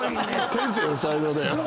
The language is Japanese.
天性の才能だよ。